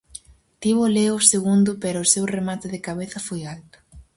Tivo Leo o segundo pero o seu remate de cabeza foi alto.